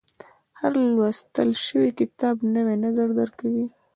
• هر لوستل شوی کتاب، نوی نظر درکوي.